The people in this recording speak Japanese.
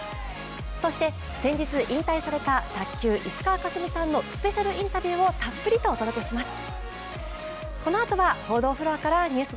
そして先日引退された卓球・石川佳純さんのスペシャルインタビューをたっぷりとお届けします。